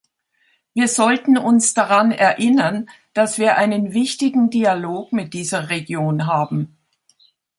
Wir sollten uns daran erinnern, dass wir einen wichtigen Dialog mit dieser Region haben.